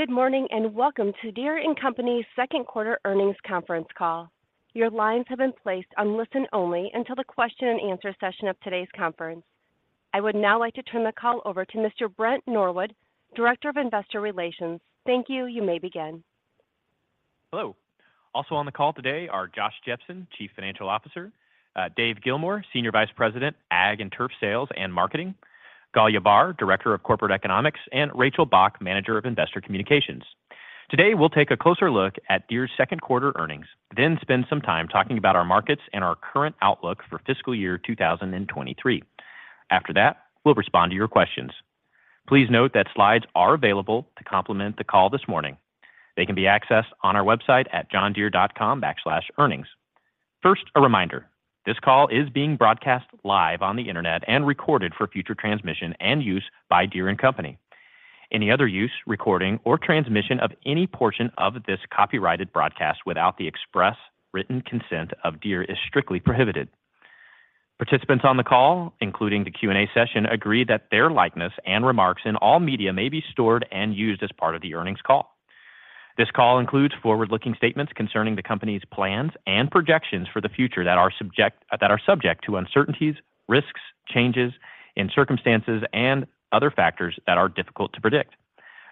Good morning, welcome to Deere & Company second quarter earnings conference call. Your lines have been placed on listen only until the question and answer session of today's conference. I would now like to turn the call over to Mr. Brent Norwood, Director of Investor Relations. Thank you. You may begin. Hello. Also on the call today are Josh Jepsen, Chief Financial Officer, Dave Gilmore, Senior Vice President, Ag & Turf Sales and Marketing, Kanlaya Barr, Director of Corporate Economics, and Rachel Bach, Manager of Investor Communications. Today, we'll take a closer look at Deere's second quarter earnings, spend some time talking about our markets and our current outlook for fiscal year 2023. After that, we'll respond to your questions. Please note that slides are available to complement the call this morning. They can be accessed on our website at johndeere.com/earnings. First, a reminder, this call is being broadcast live on the Internet and recorded for future transmission and use by Deere & Company. Any other use, recording, or transmission of any portion of this copyrighted broadcast without the express written consent of Deere is strictly prohibited. Participants on the call, including the Q&A session, agree that their likeness and remarks in all media may be stored and used as part of the earnings call. This call includes forward-looking statements concerning the company's plans and projections for the future that are subject to uncertainties, risks, changes in circumstances, and other factors that are difficult to predict.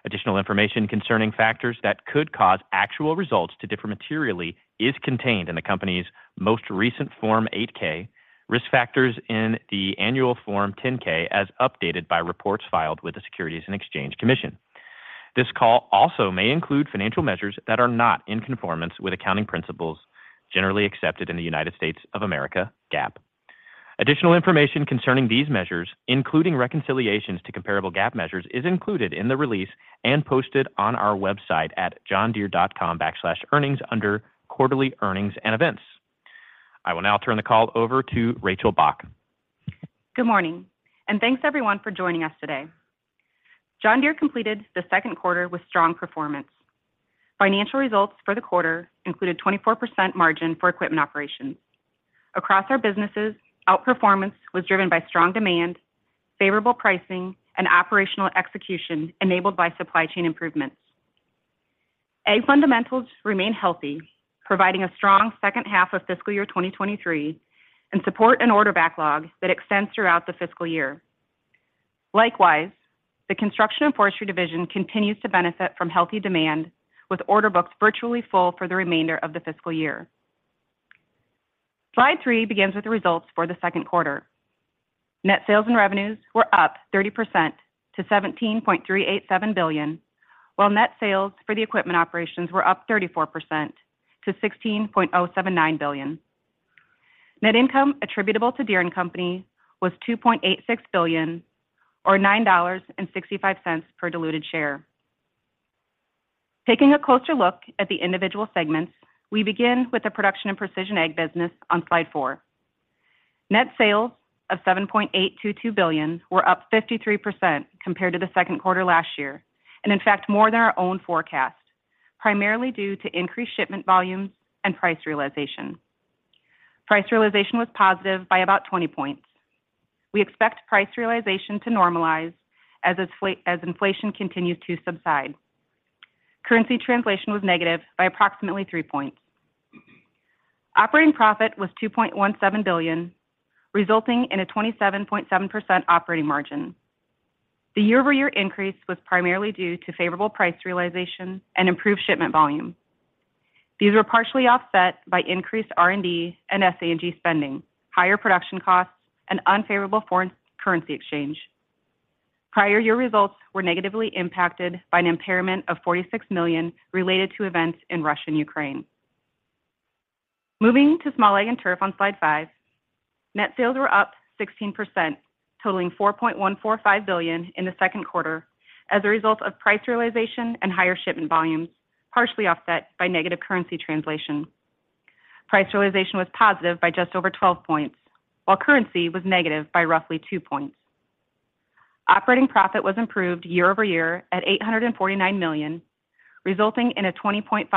Additional information concerning factors that could cause actual results to differ materially is contained in the company's most recent Form 8-K, Risk Factors in the Annual Form 10-K as updated by reports filed with the Securities and Exchange Commission. This call also may include financial measures that are not in conformance with accounting principles generally accepted in the United States of America, GAAP. Additional information concerning these measures, including reconciliations to comparable GAAP measures, is included in the release and posted on our website at johndeere.com/earnings under Quarterly Earnings and Events. I will now turn the call over to Rachel Bach. Good morning. Thanks everyone for joining us today. John Deere completed the second quarter with strong performance. Financial results for the quarter included 24% margin for equipment operations. Across our businesses, outperformance was driven by strong demand, favorable pricing, and operational execution enabled by supply chain improvements. Ag fundamentals remain healthy, providing a strong second half of fiscal year 2023 and support an order backlog that extends throughout the fiscal year. Likewise, the Construction and Forestry division continues to benefit from healthy demand with order books virtually full for the remainder of the fiscal year. Slide three begins with the results for the second quarter. Net sales and revenues were up 30% to $17.387 billion, while net sales for the equipment operations were up 34% to $16.079 billion. Net income attributable to Deere & Company was $2.86 billion or $9.65 per diluted share. Taking a closer look at the individual segments, we begin with the Production and Precision Ag business on slide four. Net sales of $7.822 billion were up 53% compared to the second quarter last year, in fact more than our own forecast, primarily due to increased shipment volumes and price realization. Price realization was positive by about 20 points. We expect price realization to normalize as inflation continues to subside. Currency translation was negative by approximately 3 points. Operating profit was $2.17 billion, resulting in a 27.7% operating margin. The year-over-year increase was primarily due to favorable price realization and improved shipment volume. These were partially offset by increased R&D and SA&G spending, higher production costs, and unfavorable foreign currency exchange. Prior year results were negatively impacted by an impairment of $46 million related to events in Russia and Ukraine. Moving to Small Ag and Turf on slide 5, net sales were up 16%, totaling $4.145 billion in the second quarter as a result of price realization and higher shipment volumes, partially offset by negative currency translation. Price realization was positive by just over 12 points, while currency was negative by roughly 2 points. Operating profit was improved year-over-year at $849 million, resulting in a 20.5%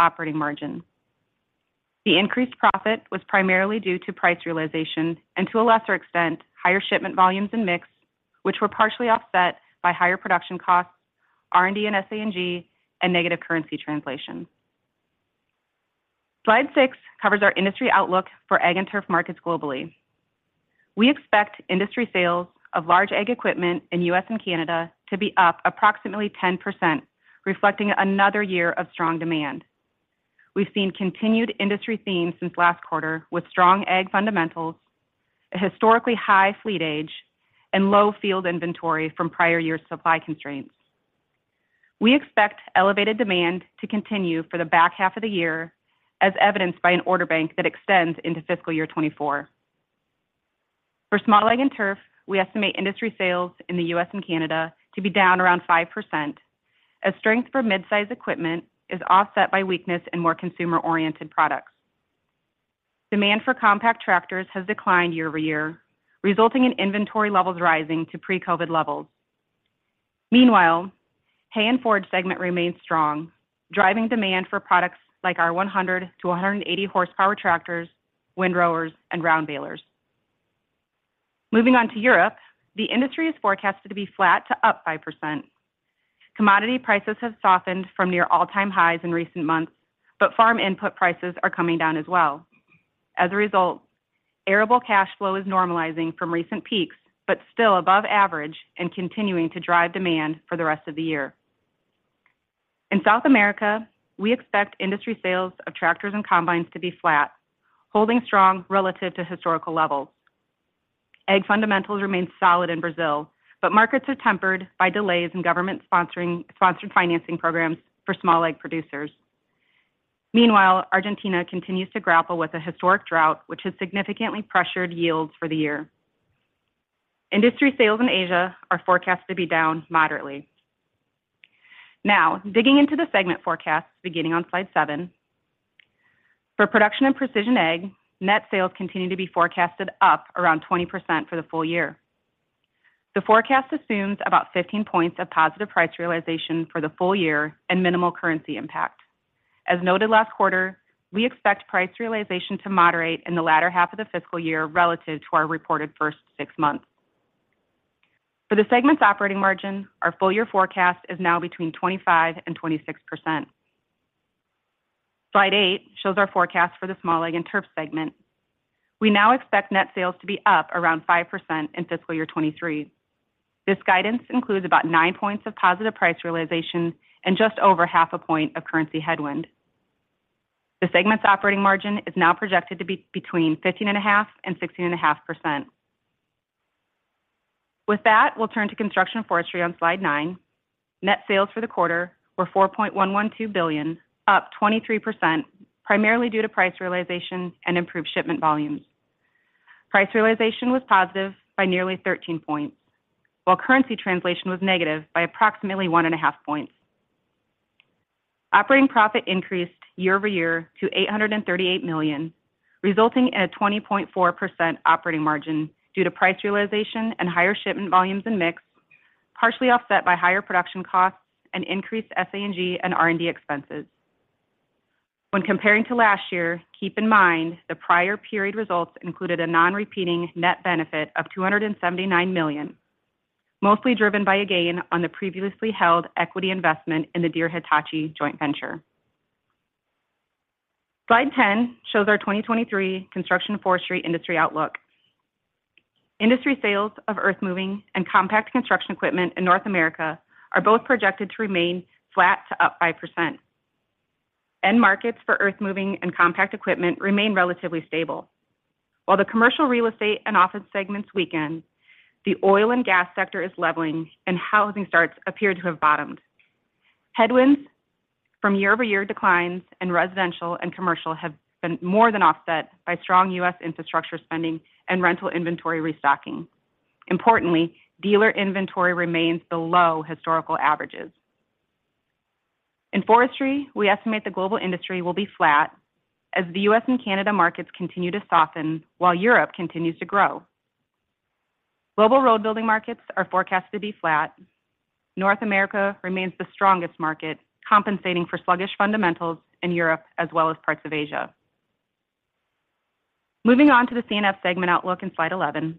operating margin. The increased profit was primarily due to price realization and to a lesser extent, higher shipment volumes and mix, which were partially offset by higher production costs, R&D and SA&G, and negative currency translation. Slide 6 covers our industry outlook for Ag and Turf markets globally. We expect industry sales of large Ag equipment in U.S. and Canada to be up approximately 10%, reflecting another year of strong demand. We've seen continued industry themes since last quarter with strong Ag fundamentals, a historically high fleet age, and low field inventory from prior years' supply constraints. We expect elevated demand to continue for the back half of the year, as evidenced by an order bank that extends into fiscal year 2024. For Small Ag and Turf, we estimate industry sales in the U.S. and Canada to be down around 5% as strength for mid-size equipment is offset by weakness in more consumer-oriented products. Demand for compact tractors has declined year-over-year, resulting in inventory levels rising to pre-COVID levels. Meanwhile, hay and forage segment remains strong, driving demand for products like our 100 to 180 horsepower tractors, windrowers, and round balers. Moving on to Europe, the industry is forecasted to be flat to up by percent. Farm input prices are coming down as well. As a result, arable cash flow is normalizing from recent peaks, but still above average and continuing to drive demand for the rest of the year. In South America, we expect industry sales of tractors and combines to be flat, holding strong relative to historical levels. Ag fundamentals remain solid in Brazil, but markets are tempered by delays in government sponsored financing programs for small Ag producers. Meanwhile, Argentina continues to grapple with a historic drought, which has significantly pressured yields for the year. Industry sales in Asia are forecast to be down moderately. Digging into the segment forecasts beginning on slide seven. For Production and Precision Ag, net sales continue to be forecasted up around 20% for the full year. The forecast assumes about 15 points of positive price realization for the full year and minimal currency impact. As noted last quarter, we expect price realization to moderate in the latter half of the fiscal year relative to our reported first six months. For the segment's operating margin, our full year forecast is now between 25% and 26%. Slide 8 shows our forecast for the Small Ag and Turf segment. We now expect net sales to be up around 5% in fiscal year 2023. This guidance includes about 9 points of positive price realization and just over half a point of currency headwind. The segment's operating margin is now projected to be between 15 and a half and 16 and a half%. With that, we'll turn to Construction and Forestry on slide nine. Net sales for the quarter were $4.112 billion, up 23%, primarily due to price realization and improved shipment volumes. Price realization was positive by nearly 13 points, while currency translation was negative by approximately 1 and a half points. Operating profit increased year-over-year to $838 million, resulting in a 20.4% operating margin due to price realization and higher shipment volumes and mix, partially offset by higher production costs and increased SA&G and R&D expenses. When comparing to last year, keep in mind the prior period results included a non-repeating net benefit of $279 million, mostly driven by a gain on the previously held equity investment in the Deere Hitachi joint venture. Slide 10 shows our 2023 Construction Forestry industry outlook. Industry sales of earthmoving and compact construction equipment in North America are both projected to remain flat to up by percent. End markets for earthmoving and compact equipment remain relatively stable. While the commercial real estate and office segments weaken, the oil and gas sector is leveling, and housing starts appear to have bottomed. Headwinds from year-over-year declines in residential and commercial have been more than offset by strong U.S. infrastructure spending and rental inventory restocking. Dealer inventory remains below historical averages. In forestry, we estimate the global industry will be flat as the U.S. and Canada markets continue to soften while Europe continues to grow. Global road building markets are forecast to be flat. North America remains the strongest market, compensating for sluggish fundamentals in Europe as well as parts of Asia. The C&F segment outlook in slide 11.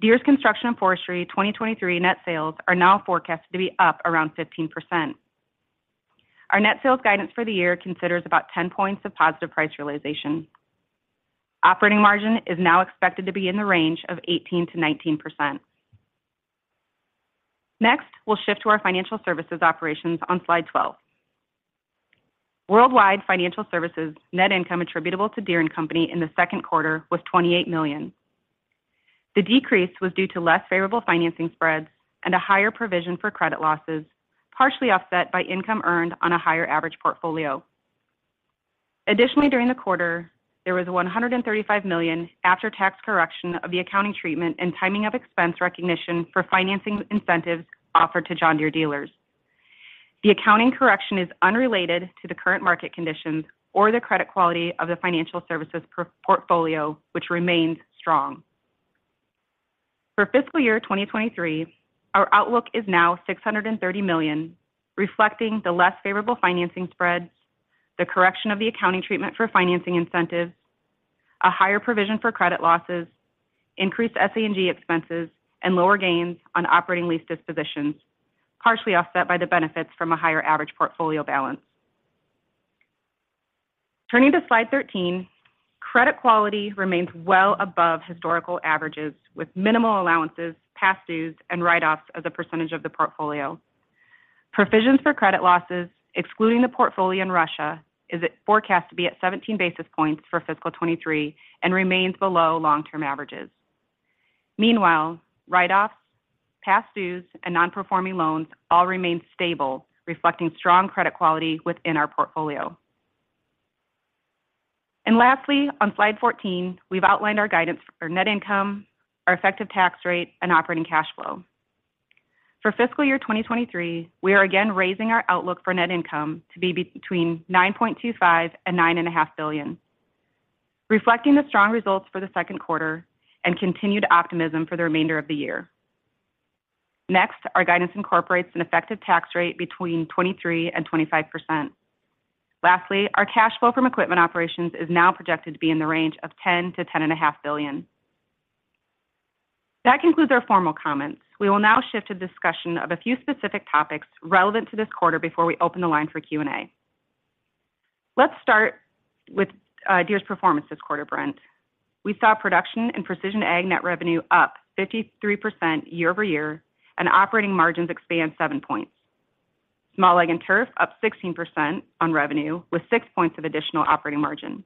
Deere's Construction & Forestry 2023 net sales are now forecasted to be up around 15%. Our net sales guidance for the year considers about 10 points of positive price realization. Operating margin is now expected to be in the range of 18%-19%. We'll shift to our financial services operations on slide 12. Worldwide financial services net income attributable to Deere & Company in the second quarter was $28 million. The decrease was due to less favorable financing spreads and a higher provision for credit losses, partially offset by income earned on a higher average portfolio. Additionally, during the quarter, there was $135 million after-tax correction of the accounting treatment and timing of expense recognition for financing incentives offered to John Deere dealers. The accounting correction is unrelated to the current market conditions or the credit quality of the financial services portfolio, which remains strong. For fiscal year 2023, our outlook is now $630 million, reflecting the less favorable financing spreads, the correction of the accounting treatment for financing incentives, a higher provision for credit losses, increased SA&G expenses, and lower gains on operating lease dispositions, partially offset by the benefits from a higher average portfolio balance. Turning to slide 13, credit quality remains well above historical averages with minimal allowances, past dues, and write-offs as a percentage of the portfolio. Provisions for credit losses, excluding the portfolio in Russia, is forecast to be at 17 basis points for fiscal 2023 and remains below long-term averages. Meanwhile, write-offs, past dues, and non-performing loans all remain stable, reflecting strong credit quality within our portfolio. Lastly, on slide 14, we've outlined our guidance for net income, our effective tax rate, and operating cash flow. For fiscal year 2023, we are again raising our outlook for net income to be between $9.25 billion and $9.5 billion, reflecting the strong results for the second quarter and continued optimism for the remainder of the year. Next, our guidance incorporates an effective tax rate between 23% and 25%. Lastly, our cash flow from equipment operations is now projected to be in the range of $10 billion-$10.5 billion. That concludes our formal comments. We will now shift to discussion of a few specific topics relevant to this quarter before we open the line for Q&A. Let's start with Deere's performance this quarter, Brent. We saw Production and Precision Ag net revenue up 53% year-over-year and operating margins expand 7 points. Small Ag and Turf up 16% on revenue, with 6 points of additional operating margin.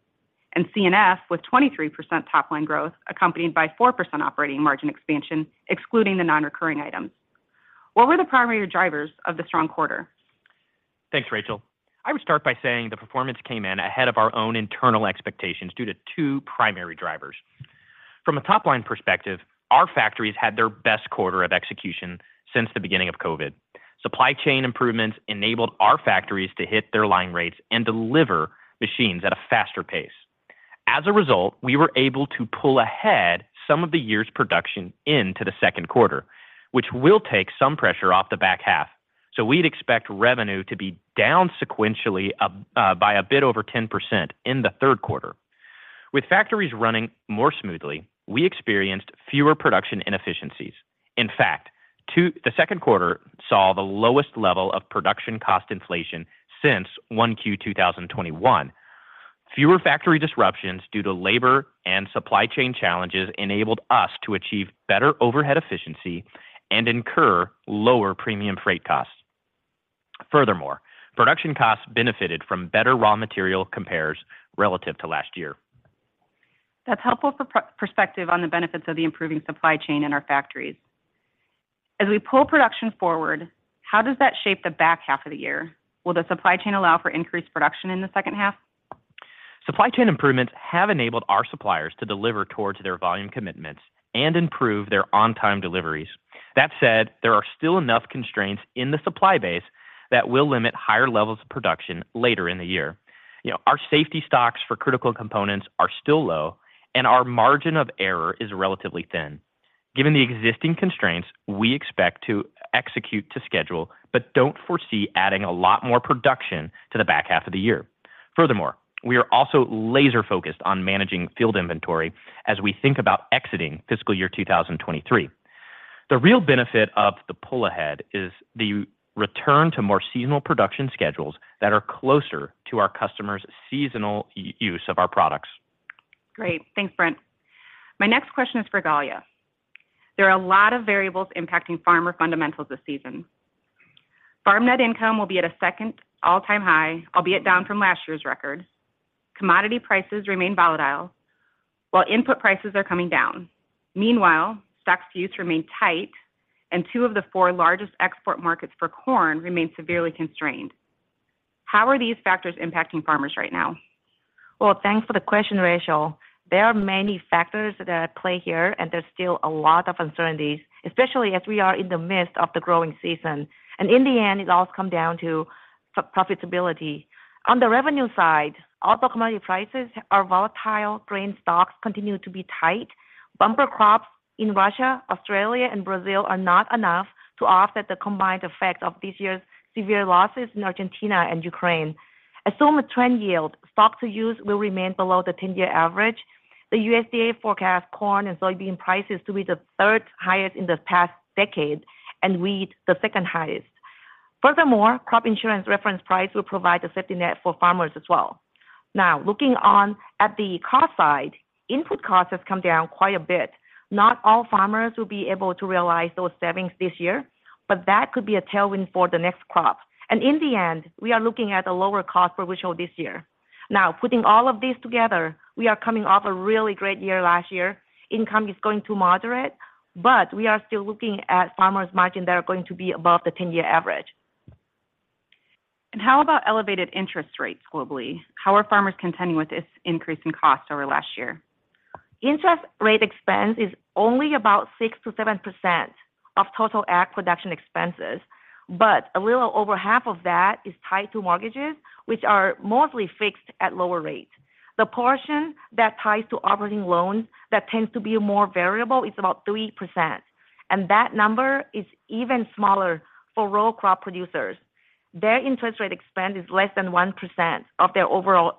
C&F with 23% top line growth, accompanied by 4% operating margin expansion, excluding the non-recurring items. What were the primary drivers of the strong quarter? Thanks, Rachel. I would start by saying the performance came in ahead of our own internal expectations due to two primary drivers. From a top-line perspective, our factories had their best quarter of execution since the beginning of COVID. Supply chain improvements enabled our factories to hit their line rates and deliver machines at a faster pace. As a result, we were able to pull ahead some of the year's production into the second quarter, which will take some pressure off the back half. We'd expect revenue to be down sequentially by a bit over 10% in the third quarter. With factories running more smoothly, we experienced fewer production inefficiencies. In fact, the second quarter saw the lowest level of production cost inflation since 1Q 2021. Fewer factory disruptions due to labor and supply chain challenges enabled us to achieve better overhead efficiency and incur lower premium freight costs. Furthermore, production costs benefited from better raw material compares relative to last year. That's helpful perspective on the benefits of the improving supply chain in our factories. As we pull production forward, how does that shape the back half of the year? Will the supply chain allow for increased production in the second half? Supply chain improvements have enabled our suppliers to deliver towards their volume commitments and improve their on-time deliveries. There are still enough constraints in the supply base that will limit higher levels of production later in the year. You know, our safety stocks for critical components are still low, and our margin of error is relatively thin. Given the existing constraints, we expect to execute to schedule, but don't foresee adding a lot more production to the back half of the year. We are also laser-focused on managing field inventory as we think about exiting fiscal year 2023. The real benefit of the pull-ahead is the return to more seasonal production schedules that are closer to our customers' seasonal use of our products. Great. Thanks, Brent. My next question is for Kanlaya. There are a lot of variables impacting farmer fundamentals this season. Farm net income will be at a second all-time high, albeit down from last year's record. Commodity prices remain volatile, while input prices are coming down. Meanwhile, stocks-to-use remain tight, and two of the four largest export markets for corn remain severely constrained. How are these factors impacting farmers right now? Well, thanks for the question, Rachel. There are many factors at play here, and there's still a lot of uncertainties, especially as we are in the midst of the growing season. In the end, it all comes down to pro-profitability. On the revenue side, although commodity prices are volatile, grain stocks continue to be tight. Bumper crops in Russia, Australia, and Brazil are not enough to offset the combined effect of this year's severe losses in Argentina and Ukraine. Assume a trend yield, stocks-to-use will remain below the 10-year average. The USDA forecasts corn and soybean prices to be the 3rd highest in the past decade, and wheat the 2nd highest. Crop insurance reference price will provide a safety net for farmers as well. Looking on at the cost side, input costs have come down quite a bit. Not all farmers will be able to realize those savings this year, but that could be a tailwind for the next crop. In the end, we are looking at a lower cost per bushel this year. Putting all of this together, we are coming off a really great year last year. Income is going to moderate, but we are still looking at farmers' margin that are going to be above the 10-year average. How about elevated interest rates globally? How are farmers contending with this increase in cost over last year? Interest rate expense is only about 6%-7% of total Ag production expenses. A little over half of that is tied to mortgages, which are mostly fixed at lower rates. The portion that ties to operating loans that tends to be more variable is about 3%. That number is even smaller for row crop producers. Their interest rate expense is less than 1% of their overall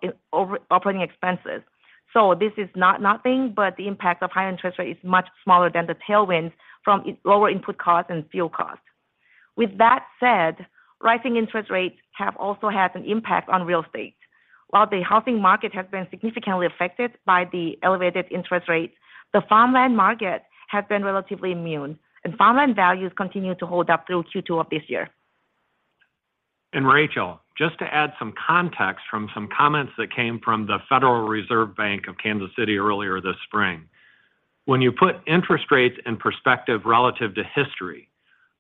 operating expenses. This is not nothing. The impact of high-end interest rate is much smaller than the tailwind from lower input costs and fuel costs. With that said, rising interest rates have also had an impact on real estate. While the housing market has been significantly affected by the elevated interest rates, the farmland market has been relatively immune. Farmland values continue to hold up through Q2 of this year. Rachel, just to add some context from some comments that came from the Federal Reserve Bank of Kansas City earlier this spring. When you put interest rates in perspective relative to history,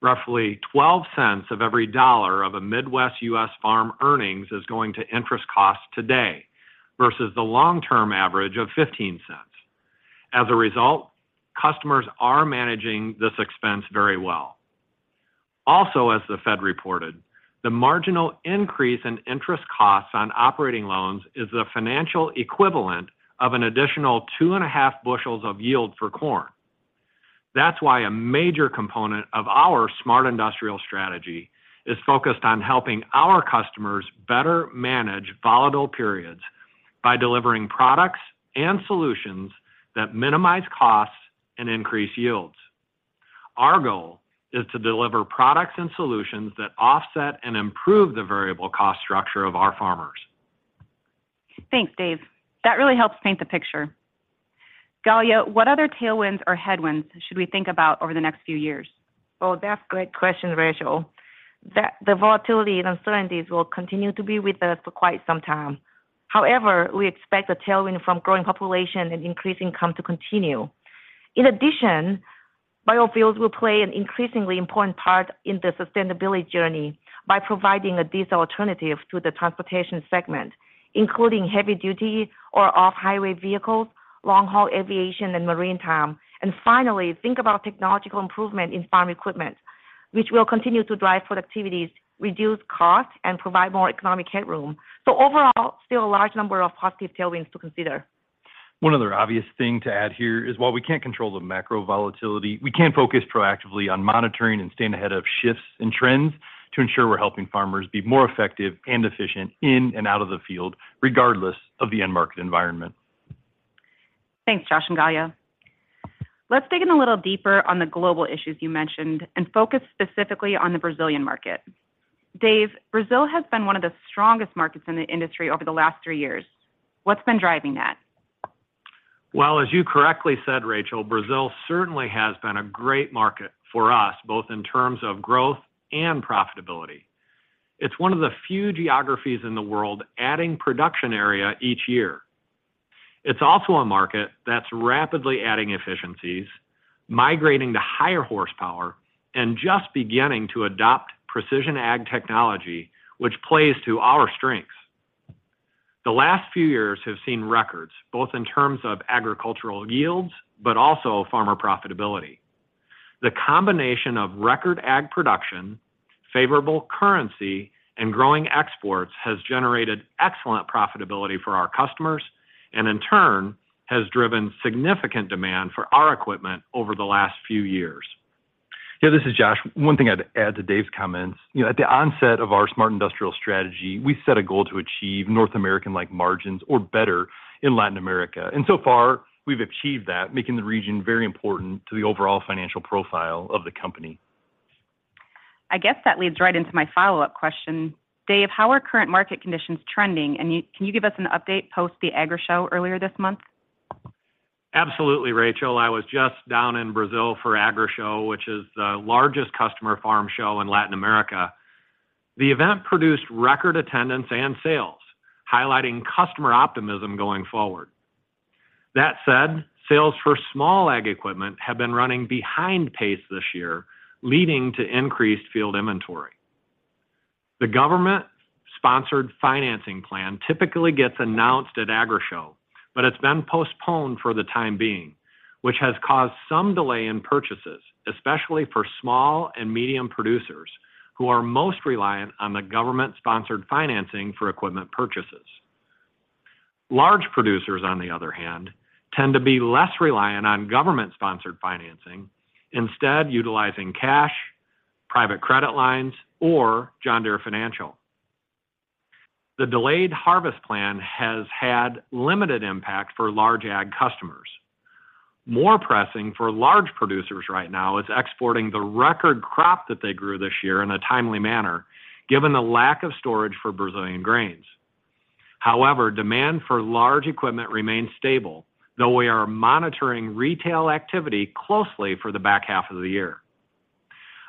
roughly $0.12 of every dollar of a Midwest U.S. farm earnings is going to interest costs today versus the long-term average of $0.15. As a result, customers are managing this expense very well. Also, as the Fed reported, the marginal increase in interest costs on operating loans is the financial equivalent of an additional 2.5 bushels of yield for corn. That's why a major component of our Smart Industrial strategy is focused on helping our customers better manage volatile periods by delivering products and solutions that minimize costs and increase yields. Our goal is to deliver products and solutions that offset and improve the variable cost structure of our farmers. Thanks, Dave. That really helps paint the picture. Kanlaya, what other tailwinds or headwinds should we think about over the next few years? Oh, that's a great question, Rachel. The volatility and uncertainties will continue to be with us for quite some time. However, we expect a tailwind from growing population and increasing income to continue. In addition, biofuels will play an increasingly important part in the sustainability journey by providing a diesel alternative to the transportation segment, including heavy-duty or off-highway vehicles, long-haul aviation and maritime. Finally, think about technological improvement in farm equipment, which will continue to drive productivities, reduce costs, and provide more economic headroom. Overall, still a large number of positive tailwinds to consider. One other obvious thing to add here is while we can't control the macro volatility, we can focus proactively on monitoring and staying ahead of shifts and trends to ensure we're helping farmers be more effective and efficient in and out of the field, regardless of the end market environment. Thanks, Josh and Kanlaya. Let's dig in a little deeper on the global issues you mentioned and focus specifically on the Brazilian market. Dave, Brazil has been one of the strongest markets in the industry over the last three years. What's been driving that? As you correctly said, Rachel, Brazil certainly has been a great market for us, both in terms of growth and profitability. It's one of the few geographies in the world adding production area each year. It's also a market that's rapidly adding efficiencies, migrating to higher horsepower, and just beginning to adopt precision Ag technology, which plays to our strengths. The last few years have seen records, both in terms of agricultural yields, but also farmer profitability. The combination of record Ag production, favorable currency, and growing exports has generated excellent profitability for our customers, and in turn has driven significant demand for our equipment over the last few years. Yeah, this is Josh. One thing I'd add to Dave's comments. You know, at the onset of our Smart Industrial strategy, we set a goal to achieve North American-like margins or better in Latin America. So far, we've achieved that, making the region very important to the overall financial profile of the company. I guess that leads right into my follow-up question. Dave, how are current market conditions trending? Can you give us an update post the Agrishow earlier this month? Absolutely, Rachel. I was just down in Brazil for Agrishow, which is the largest customer farm show in Latin America. The event produced record attendance and sales, highlighting customer optimism going forward. That said, sales for small Ag equipment have been running behind pace this year, leading to increased field inventory. The government-sponsored financing plan typically gets announced at Agrishow, but it's been postponed for the time being, which has caused some delay in purchases, especially for small and medium producers who are most reliant on the government-sponsored financing for equipment purchases. Large producers, on the other hand, tend to be less reliant on government-sponsored financing, instead utilizing cash, private credit lines, or John Deere Financial. The delayed harvest plan has had limited impact for large Ag customers. More pressing for large producers right now is exporting the record crop that they grew this year in a timely manner, given the lack of storage for Brazilian grains. Demand for large equipment remains stable, though we are monitoring retail activity closely for the back half of the year.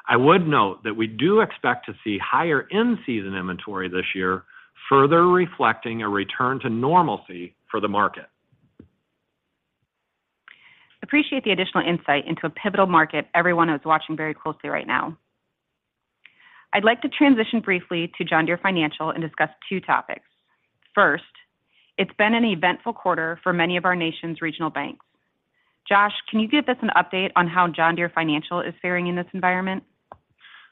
I would note that we do expect to see higher in-season inventory this year, further reflecting a return to normalcy for the market. Appreciate the additional insight into a pivotal market everyone is watching very closely right now. I'd like to transition briefly to John Deere Financial and discuss two topics. First, it's been an eventful quarter for many of our nation's regional banks. Josh, can you give us an update on how John Deere Financial is faring in this environment?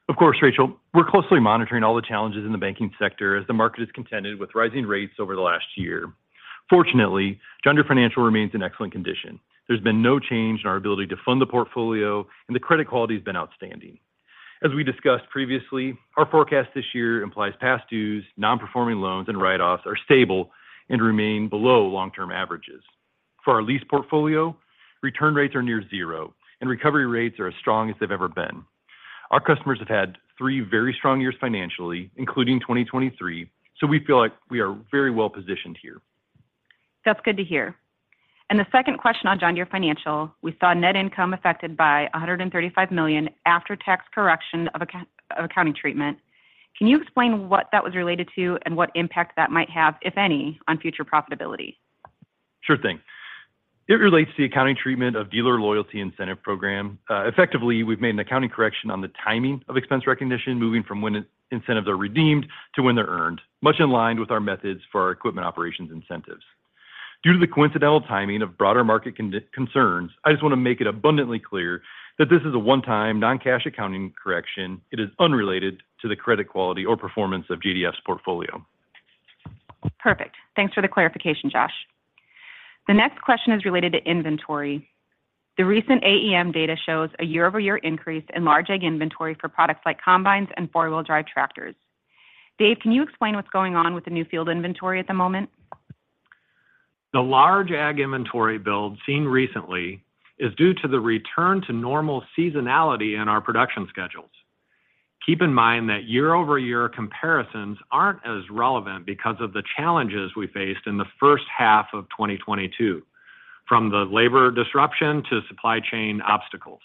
Of course, Rachel. We're closely monitoring all the challenges in the banking sector as the market has contended with rising rates over the last year. Fortunately, John Deere Financial remains in excellent condition. There's been no change in our ability to fund the portfolio, and the credit quality has been outstanding. As we discussed previously, our forecast this year implies past dues, non-performing loans, and write-offs are stable and remain below long-term averages. For our lease portfolio, return rates are near zero, and recovery rates are as strong as they've ever been. Our customers have had 3 very strong years financially, including 2023, so we feel like we are very well-positioned here. That's good to hear. The second question on John Deere Financial, we saw net income affected by $135 million after-tax correction of accounting treatment. Can you explain what that was related to and what impact that might have, if any, on future profitability? Sure thing. It relates to the accounting treatment of dealer loyalty incentive program. effectively, we've made an accounting correction on the timing of expense recognition, moving from when incentives are redeemed to when they're earned, much in line with our methods for our equipment operations incentives. Due to the coincidental timing of broader market concerns, I just want to make it abundantly clear that this is a one-time non-cash accounting correction. It is unrelated to the credit quality or performance of JDF's portfolio. Perfect. Thanks for the clarification, Josh. The next question is related to inventory. The recent AEM data shows a year-over-year increase in large ag inventory for products like combines and four-wheel drive tractors. Dave, can you explain what's going on with the new field inventory at the moment? The large Ag inventory build seen recently is due to the return to normal seasonality in our production schedules. Keep in mind that year-over-year comparisons aren't as relevant because of the challenges we faced in the first half of 2022, from the labor disruption to supply chain obstacles.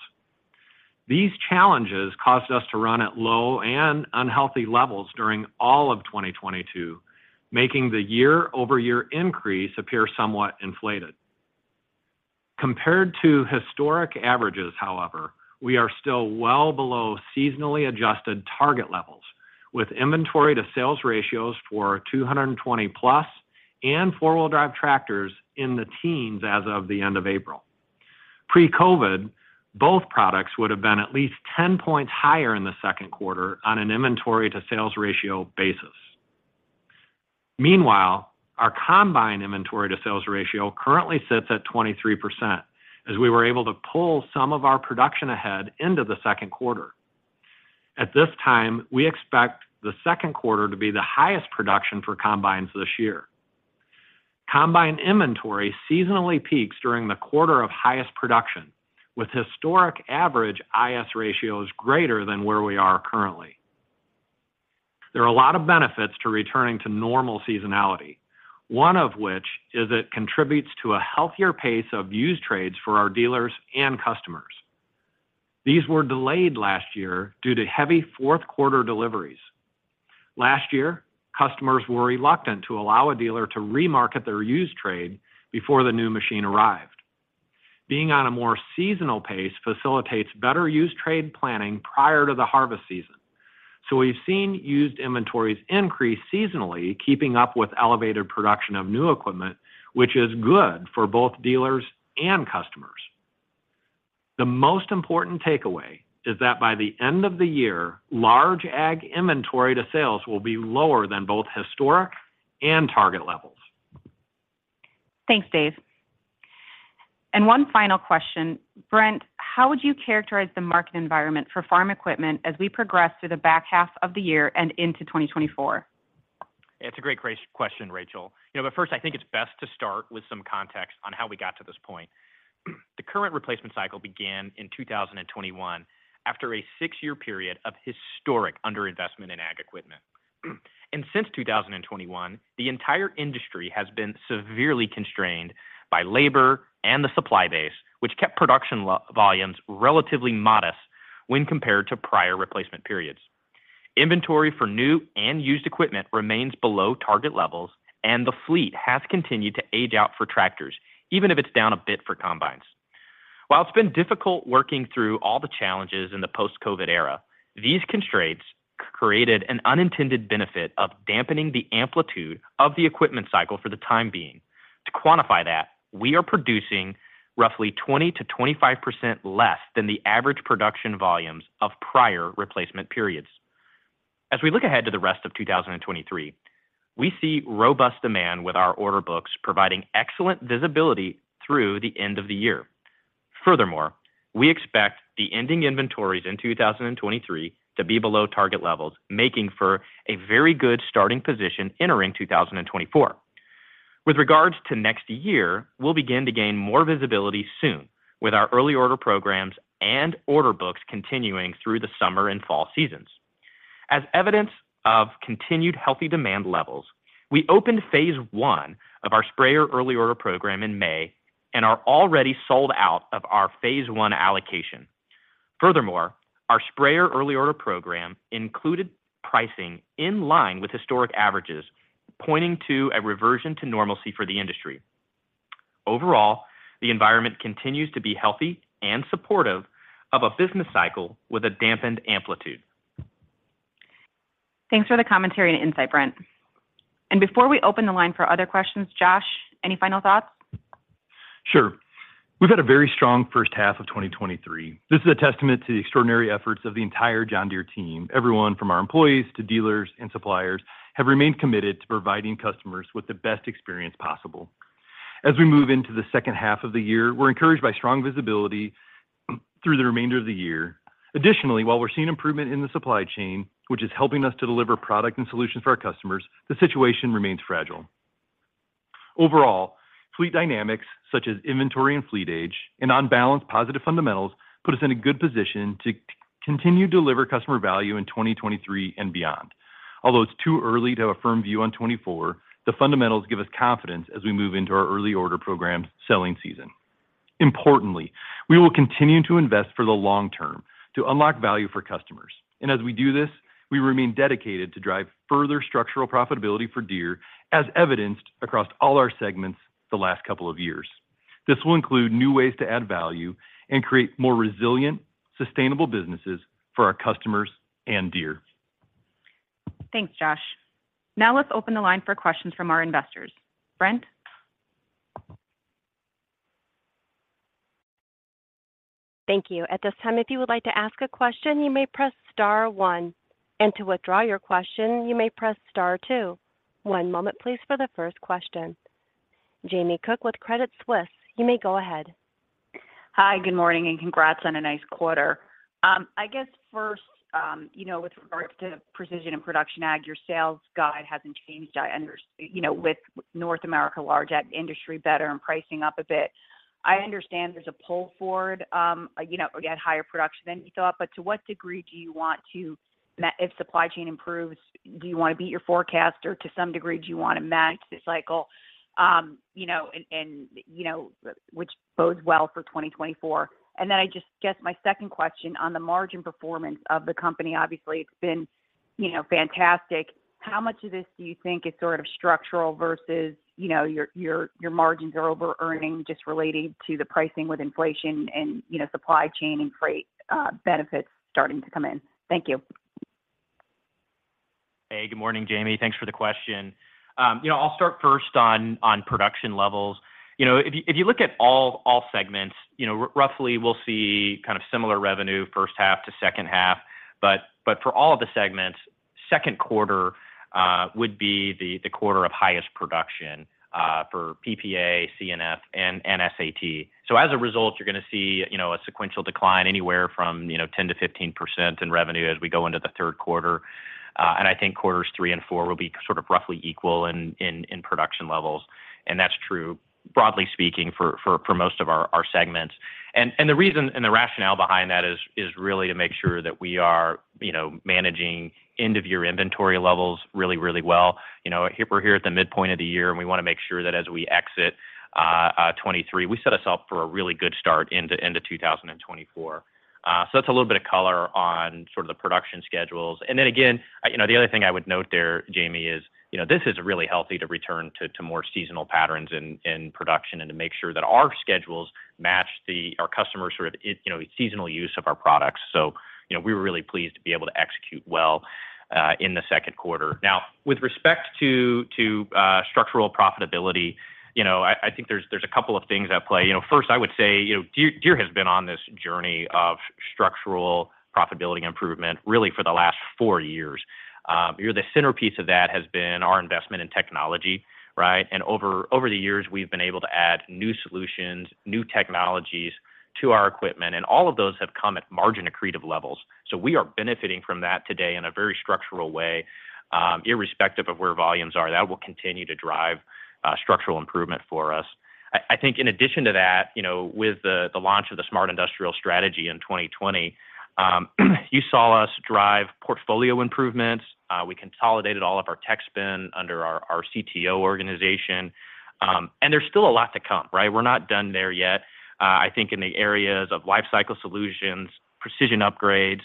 These challenges caused us to run at low and unhealthy levels during all of 2022, making the year-over-year increase appear somewhat inflated. Compared to historic averages, however, we are still well below seasonally adjusted target levels, with inventory to sales ratios for 220+ and four-wheel drive tractors in the teens as of the end of April. Pre-COVID, both products would have been at least 10 points higher in the second quarter on an inventory to sales ratio basis. Meanwhile, our combine inventory to sales ratio currently sits at 23%, as we were able to pull some of our production ahead into the second quarter. At this time, we expect the second quarter to be the highest production for combines this year. Combine inventory seasonally peaks during the quarter of highest production, with historic average I/S ratios greater than where we are currently. There are a lot of benefits to returning to normal seasonality, one of which is it contributes to a healthier pace of used trades for our dealers and customers. These were delayed last year due to heavy fourth quarter deliveries. Last year, customers were reluctant to allow a dealer to remarket their used trade before the new machine arrived. Being on a more seasonal pace facilitates better used trade planning prior to the harvest season. We've seen used inventories increase seasonally, keeping up with elevated production of new equipment, which is good for both dealers and customers. The most important takeaway is that by the end of the year, large Ag inventory-to-sales will be lower than both historic and target levels. Thanks, Dave. One final question. Brent, how would you characterize the market environment for farm equipment as we progress through the back half of the year and into 2024? It's a great question, Rachel. You know, first, I think it's best to start with some context on how we got to this point. The current replacement cycle began in 2021 after a six-year period of historic underinvestment in Ag equipment. Since 2021, the entire industry has been severely constrained by labor and the supply base, which kept production volumes relatively modest when compared to prior replacement periods. Inventory for new and used equipment remains below target levels, and the fleet has continued to age out for tractors, even if it's down a bit for combines. While it's been difficult working through all the challenges in the post-COVID era, these constraints created an unintended benefit of dampening the amplitude of the equipment cycle for the time being. To quantify that, we are producing roughly 20%-25% less than the average production volumes of prior replacement periods. As we look ahead to the rest of 2023, we see robust demand with our order books providing excellent visibility through the end of the year. We expect the ending inventories in 2023 to be below target levels, making for a very good starting position entering 2024. With regards to next year, we'll begin to gain more visibility soon with our early order programs and order books continuing through the summer and fall seasons. As evidence of continued healthy demand levels, we opened phase 1 of our sprayer early order program in May and are already sold out of our phase 1 allocation. Furthermore, our sprayer early order program included pricing in line with historic averages, pointing to a reversion to normalcy for the industry. Overall, the environment continues to be healthy and supportive of a business cycle with a dampened amplitude. Thanks for the commentary and insight, Brent. Before we open the line for other questions, Josh, any final thoughts? Sure. We've had a very strong first half of 2023. This is a testament to the extraordinary efforts of the entire John Deere team. Everyone from our employees to dealers and suppliers have remained committed to providing customers with the best experience possible. As we move into the second half of the year, we're encouraged by strong visibility through the remainder of the year. Additionally, while we're seeing improvement in the supply chain, which is helping us to deliver product and solutions for our customers, the situation remains fragile. Overall, fleet dynamics such as inventory and fleet age and on-balance positive fundamentals put us in a good position to continue to deliver customer value in 2023 and beyond. Although it's too early to have a firm view on 2024, the fundamentals give us confidence as we move into our Early Order Program selling season. Importantly, we will continue to invest for the long term to unlock value for customers. As we do this, we remain dedicated to drive further structural profitability for Deere, as evidenced across all our segments the last couple of years. This will include new ways to add value and create more resilient, sustainable businesses for our customers and Deere. Thanks, Josh. Now let's open the line for questions from our investors. Brent? Thank you. At this time, if you would like to ask a question, you may press star one. To withdraw your question, you may press star two. One moment please for the first question. Jamie Cook with Credit Suisse, you may go ahead. Hi, good morning, congrats on a nice quarter. I guess first, you know, with regard to Production and Precision Ag, your sales guide hasn't changed. You know, with North America large ag industry better and pricing up a bit. I understand there's a pull forward, you know, again, higher production than you thought. To what degree do you want to if supply chain improves, do you want to beat your forecast or to some degree do you want to match the cycle? You know, and you know, which bodes well for 2024. I guess my second question on the margin performance of the company. Obviously, it's been, you know, fantastic. How much of this do you think is sort of structural versus, you know, your margins are over-earning just relating to the pricing with inflation and, you know, supply chain and freight benefits starting to come in? Thank you. Hey, good morning, Jamie. Thanks for the question. You know, I'll start first on production levels. You know, if you look at all segments, you know, roughly, we'll see kind of similar revenue first half to second half. For all of the segments, second quarter would be the quarter of highest production for PPA, C&F and SAT. As a result, you're gonna see, you know, a sequential decline anywhere from, you know, 10%-15% in revenue as we go into the third quarter. I think quarters three and four will be sort of roughly equal in production levels. That's true broadly speaking for most of our segments. The reason and the rationale behind that is really to make sure that we are, you know, managing end of year inventory levels really, really well. You know, we're here at the midpoint of the year, and we wanna make sure that as we exit 2023, we set us up for a really good start into end of 2024. That's a little bit of color on sort of the production schedules. Again, you know, the other thing I would note there, Jamie, is, you know, this is really healthy to return to more seasonal patterns in production and to make sure that our schedules match our customers sort of, you know, seasonal use of our products. You know, we were really pleased to be able to execute well in the second quarter. Now with respect to structural profitability, you know, I think there's a couple of things at play. You know, first, I would say, you know, Deere has been on this journey of structural profitability improvement really for the last four years. You know, the centerpiece of that has been our investment in technology, right? Over the years, we've been able to add new solutions, new technologies to our equipment, and all of those have come at margin accretive levels. We are benefiting from that today in a very structural way, irrespective of where volumes are. That will continue to drive structural improvement for us. I think in addition to that, you know, with the launch of the Smart Industrial strategy in 2020, you saw us drive portfolio improvements. We consolidated all of our tech spin under our CTO organization. There's still a lot to come, right? We're not done there yet. I think in the areas of lifecycle solutions, precision upgrades,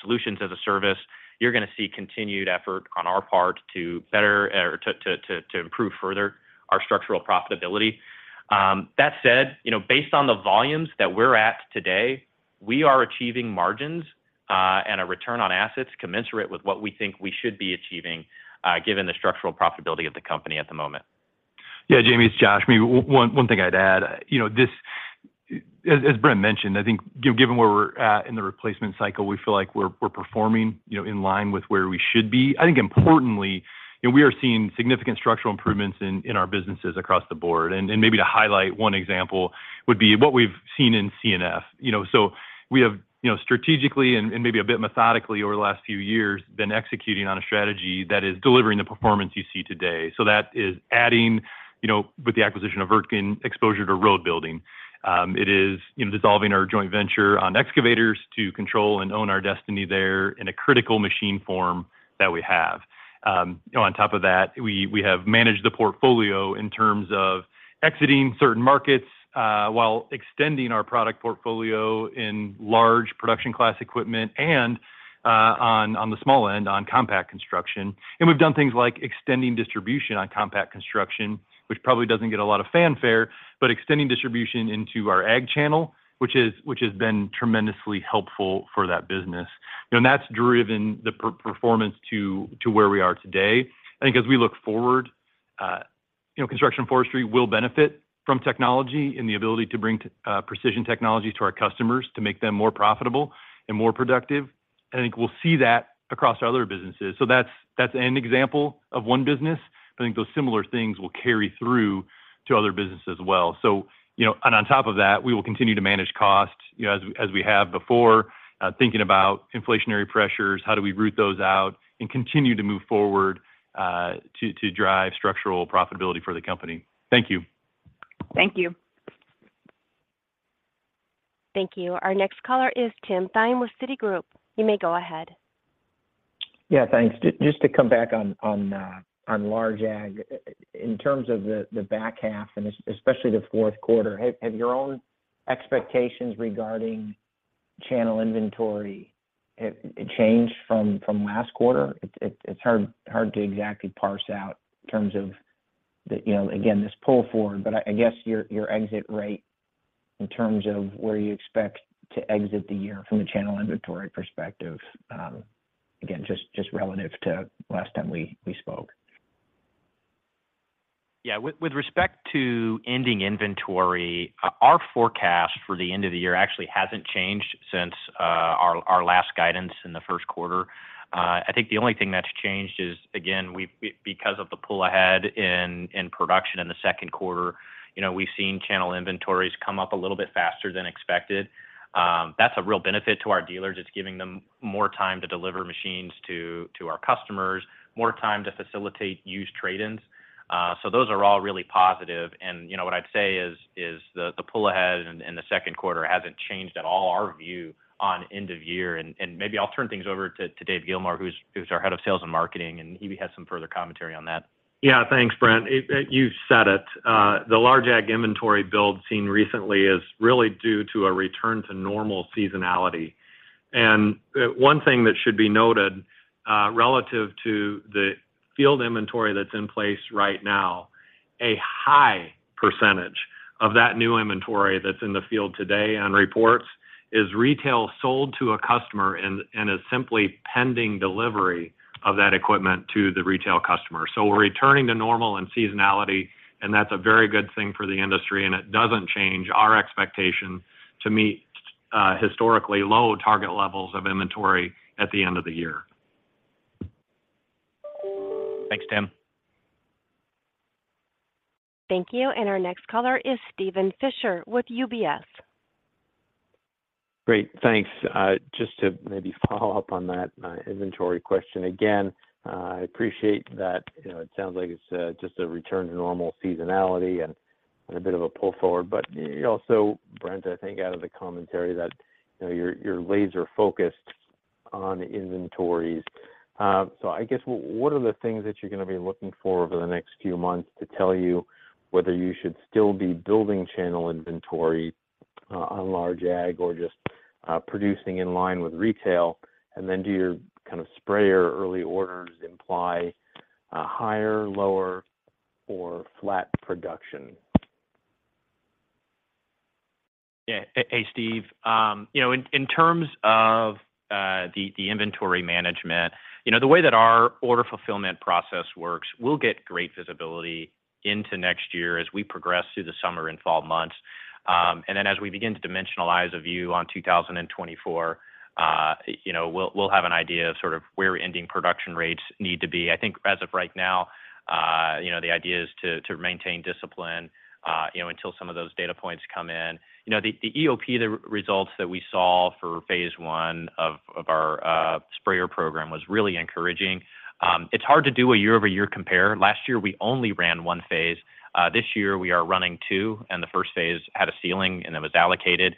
solutions as a service, you're gonna see continued effort on our part to better or to improve further our structural profitability. That said, you know, based on the volumes that we're at today, we are achieving margins, and a return on assets commensurate with what we think we should be achieving, given the structural profitability of the company at the moment. Yeah. Jamie, it's Josh. Maybe one thing I'd add. You know, As Brent mentioned, I think given where we're at in the replacement cycle, we feel like we're performing, you know, in line with where we should be. I think importantly, you know, we are seeing significant structural improvements in our businesses across the board. Maybe to highlight one example would be what we've seen in C&F. You know, we have, you know, strategically and maybe a bit methodically over the last few years been executing on a strategy that is delivering the performance you see today. That is adding, you know, with the acquisition of Wirtgen exposure to road building. It is, you know, dissolving our joint venture on excavators to control and own our destiny there in a critical machine form that we have. On top of that, we have managed the portfolio in terms of exiting certain markets, while extending our product portfolio in large production class equipment and, on the small end on compact construction. We've done things like extending distribution on compact construction, which probably doesn't get a lot of fanfare, but extending distribution into our Ag channel, which has been tremendously helpful for that business. You know, that's driven the performance to where we are today. I think as we look forward, you know, Construction forestry will benefit from technology and the ability to bring precision technology to our customers to make them more profitable and more productive. I think we'll see that across our other businesses. That's an example of one business, but I think those similar things will carry through to other businesses as well. You know, on top of that, we will continue to manage cost, you know, as we have before, thinking about inflationary pressures, how do we root those out and continue to move forward to drive structural profitability for the company. Thank you. Thank you. Thank you. Our next caller is Tim Thein with Citigroup. You may go ahead. Yeah, thanks. Just to come back on large ag. In terms of the back half and especially the fourth quarter, have your own expectations regarding channel inventory it changed from last quarter? It's hard to exactly parse out in terms of the, you know, again, this pull forward. I guess your exit rate. In terms of where you expect to exit the year from a channel inventory perspective, again, just relative to last time we spoke. Yeah. With respect to ending inventory, our forecast for the end of the year actually hasn't changed since our last guidance in the first quarter. I think the only thing that's changed is, again, because of the pull ahead in production in the second quarter, you know, we've seen channel inventories come up a little bit faster than expected. That's a real benefit to our dealers. It's giving them more time to deliver machines to our customers, more time to facilitate used trade-ins. So those are all really positive. You know, what I'd say is the pull ahead in the second quarter hasn't changed at all our view on end of year. Maybe I'll turn things over to Dave Gilmore, who's our head of sales and marketing, and he has some further commentary on that. Yeah. Thanks, Brent. You've said it. The large ag inventory build seen recently is really due to a return to normal seasonality. One thing that should be noted, relative to the field inventory that's in place right now, a high percentage of that new inventory that's in the field today on reports is retail sold to a customer and is simply pending delivery of that equipment to the retail customer. We're returning to normal and seasonality, and that's a very good thing for the industry. It doesn't change our expectation to meet historically low target levels of inventory at the end of the year. Thanks, Tim. Thank you. Our next caller is Steven Fisher with UBS. Great. Thanks. Just to maybe follow up on that inventory question again. I appreciate that, you know, it sounds like it's just a return to normal seasonality and a bit of a pull forward. Also, Brent, I think out of the commentary that, you know, you're laser focused on inventories. I guess what are the things that you're gonna be looking for over the next few months to tell you whether you should still be building channel inventory on large ag or just producing in line with retail? Then do your kind of sprayer early orders imply higher, lower, or flat production? Yeah. Hey, Steve. You know, in terms of the inventory management, you know, the way that our order fulfillment process works, we'll get great visibility into next year as we progress through the summer and fall months. As we begin to dimensionalize a view on 2024, you know, we'll have an idea of sort of where ending production rates need to be. I think as of right now, you know, the idea is to maintain discipline, you know, until some of those data points come in. You know, the EOP results that we saw for phase one of our sprayer program was really encouraging. It's hard to do a year-over-year compare. Last year, we only ran one phase. This year we are running 2, and the first phase had a ceiling, and it was allocated.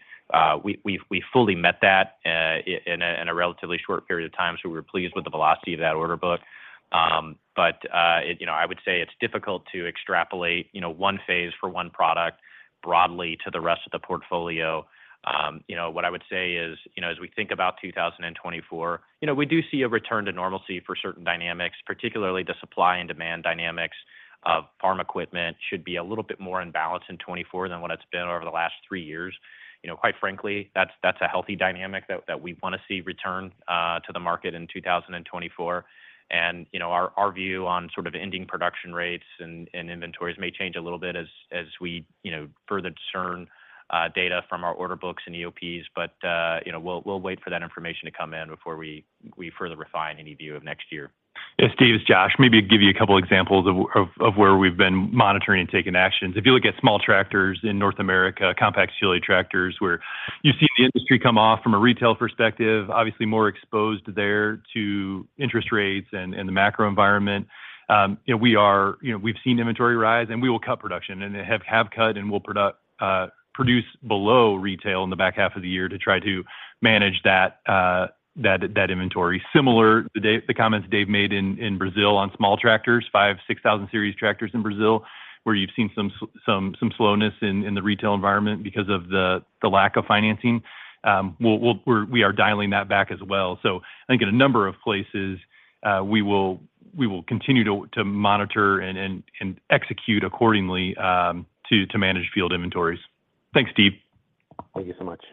We fully met that in a relatively short period of time, so we were pleased with the velocity of that order book. You know, I would say it's difficult to extrapolate, you know, one phase for one product broadly to the rest of the portfolio. You know, what I would say is, you know, as we think about 2024, you know, we do see a return to normalcy for certain dynamics, particularly the supply and demand dynamics of farm equipment should be a little bit more in balance in 2024 than what it's been over the last 3 years. You know, quite frankly, that's a healthy dynamic that we wanna see return to the market in 2024. You know, our view on sort of ending production rates and inventories may change a little bit as we, you know, further discern data from our order books and EOPs. You know, we'll wait for that information to come in before we further refine any view of next year. Steve, it's Josh. Maybe give you a couple examples of where we've been monitoring and taking actions. If you look at small tractors in North America, compact utility tractors, where you've seen the industry come off from a retail perspective, obviously more exposed there to interest rates and the macro environment, you know, we've seen inventory rise, and we will cut production and have cut and will produce below retail in the back half of the year to try to manage that inventory. Similar, the comments Dave made in Brazil on small tractors, 5,000, 6,000 series tractors in Brazil, where you've seen some slowness in the retail environment because of the lack of financing, we are dialing that back as well. I think in a number of places, we will continue to monitor and execute accordingly, to manage field inventories. Thanks, Steven. Thank you so much.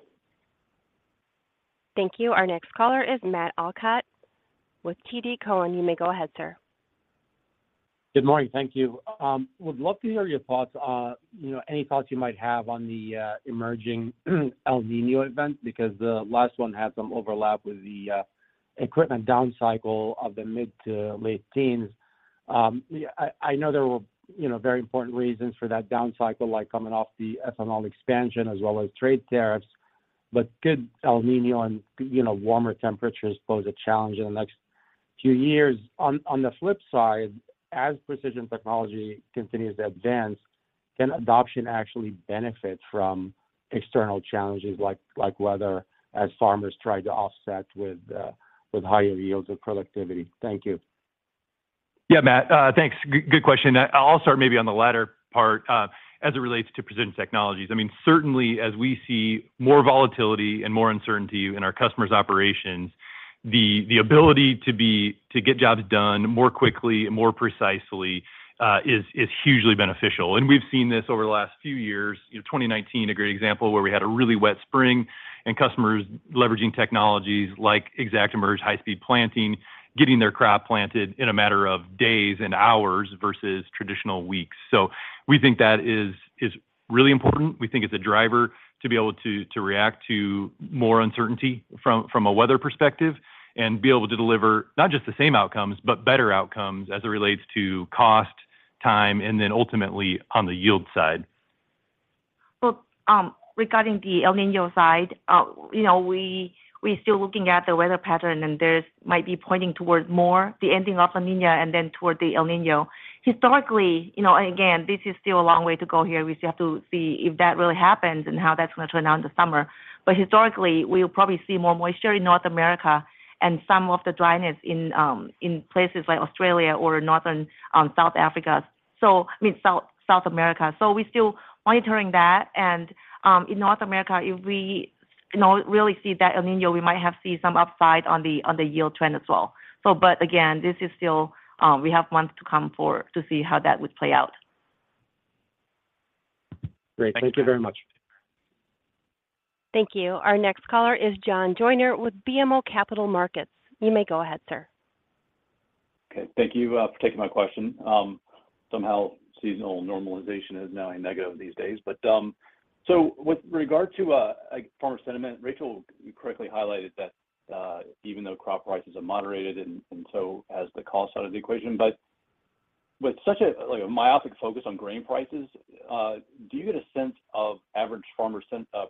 Thank you. Our next caller is Matt Elkott with TD Cowen. You may go ahead, sir. Good morning. Thank you. Would love to hear your thoughts, you know, any thoughts you might have on the emerging El Niño event because the last one had some overlap with the equipment down cycle of the mid to late teens. Yeah, I know there were, you know, very important reasons for that down cycle, like coming off the ethanol expansion as well as trade tariffs. Could El Niño and, you know, warmer temperatures pose a challenge in the next few years? On the flip side, as precision technology continues to advance, can adoption actually benefit from external challenges like weather as farmers try to offset with higher yields of productivity? Thank you. Yeah, Matt. Thanks. Good, good question. I'll start maybe on the latter part, as it relates to precision technologies. I mean, certainly as we see more volatility and more uncertainty in our customers' operations. The ability to be, to get jobs done more quickly and more precisely, is hugely beneficial. We've seen this over the last few years. You know, 2019 a great example, where we had a really wet spring and customers leveraging technologies like ExactEmerge high-speed planting, getting their crop planted in a matter of days and hours versus traditional weeks. We think that is really important. We think it's a driver to be able to react to more uncertainty from a weather perspective and be able to deliver not just the same outcomes, but better outcomes as it relates to cost, time, and then ultimately on the yield side. Regarding the El Niño side, you know, we're still looking at the weather pattern. This might be pointing towards more the ending La Niña and then toward the El Niño. Historically, you know, again, this is still a long way to go here. We still have to see if that really happens and how that's gonna turn out in the summer. Historically, we'll probably see more moisture in North America and some of the dryness in places like Australia or Northern South Africa. I mean, South America. We're still monitoring that. In North America, if we, you know, really see that El Niño, we might have see some upside on the yield trend as well. Again, this is still, we have months to come for to see how that would play out. Great. Thank you very much. Thank you. Our next caller is John Joyner with BMO Capital Markets. You may go ahead, sir. Okay. Thank you for taking my question. Somehow seasonal normalization is now a negative these days. With regard to farmer sentiment, Rachel, you correctly highlighted that even though crop prices have moderated and so has the cost out of the equation, but with such a, like, a myopic focus on grain prices, do you get a sense of average farmer